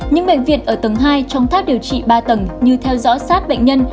những bệnh viện ở tầng hai trong tháp điều trị ba tầng như theo dõi sát bệnh nhân